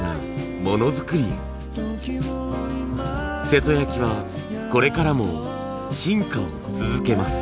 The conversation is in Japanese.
瀬戸焼はこれからも進化を続けます。